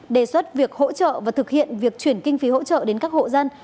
đề xuất việc hỗ trợ và thực hiện việc chuyển kinh phí hỗ trợ đến các hộ dân